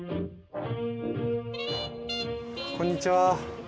こんにちは。